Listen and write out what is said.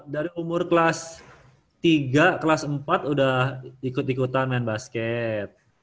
dari umur kelas tiga kelas empat udah ikut ikutan main basket